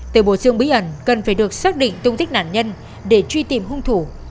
từ bộ xương bí ẩn cần phải được xác định tung tích nạn nhân để truy tìm hung thủ